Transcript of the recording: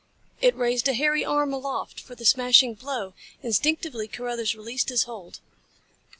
It raised a hairy arm aloft for the smashing blow. Instinctively Carruthers released his hold.